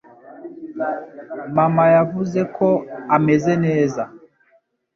Mama yavuze ko ameze neza.